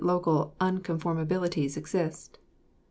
local unconformabilities exist.